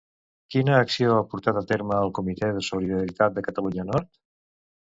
Quina acció ha portat a terme el Comitè de Solidaritat de Catalunya Nord?